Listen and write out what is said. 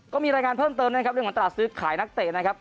ก็มีรายงานเพิ่มเติมนะครับเรื่องของตลาดซื้อขายนักเตะนะครับ